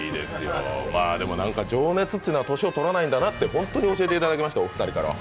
情熱というのは年をとらないんだなというのを本当に教えていただきました、お二人から。